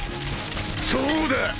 そうだ！